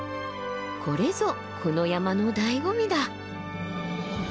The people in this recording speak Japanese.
これぞこの山のだいご味だ。